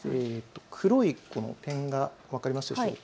黒い点が分かりますでしょうか。